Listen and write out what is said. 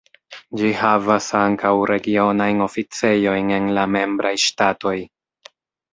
Ĝi havas ankaŭ regionajn oficejojn en la membraj ŝtatoj.